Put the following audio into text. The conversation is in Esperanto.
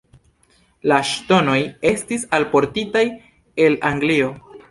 La ŝtonoj estis alportitaj el Anglio.